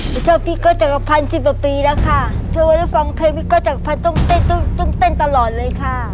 พระเจ้าพี่ก็จักรพันธ์สิบปีแล้วค่ะถ้าเวลาฟังเพลงพี่ก็จักรพันธ์ต้องเต้นต้องต้องเต้นตลอดเลยค่ะ